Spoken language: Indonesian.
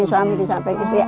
suami di samping istri